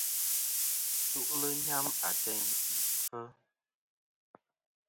Chu'lɨ nyam ateyn ì kfɨ.